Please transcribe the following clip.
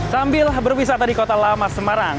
sambil berwisata di kota lama semarang